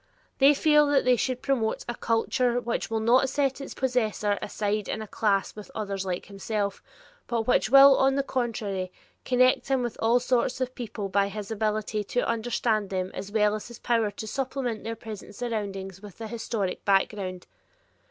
They feel that they should promote a culture which will not set its possessor aside in a class with others like himself, but which will, on the contrary, connect him with all sorts of people by his ability to understand them as well as by his power to supplement their present surroundings with the historic background.